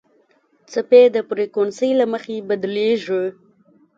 څپې د فریکونسۍ له مخې بدلېږي.